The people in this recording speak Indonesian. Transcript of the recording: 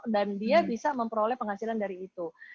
dan dia bisa memperoleh penghasilan dari itu